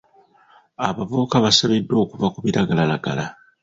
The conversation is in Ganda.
Abavubuka basabiddwa okuva ku biragalalagala.